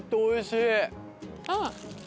おいしい。